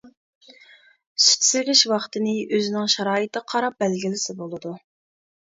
سۈت سېغىش ۋاقتىنى ئۆزىنىڭ شارائىتىغا قاراپ بەلگىلىسە بولىدۇ.